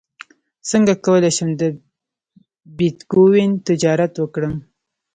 څنګه کولی شم د بیتکوین تجارت وکړم